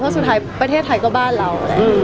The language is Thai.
เพราะสุดท้ายประเทศไทยก็บ้านเราแหละ